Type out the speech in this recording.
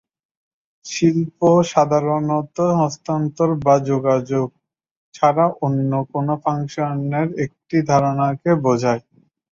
শিল্প সাধারণত হস্তান্তর বা যোগাযোগ ছাড়া অন্য কোন ফাংশনের একটি ধারণাকে বোঝায়।